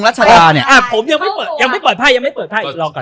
ผมยังไม่เปิดก่อน